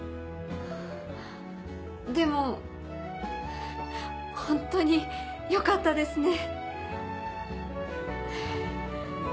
でもホントによかったですね。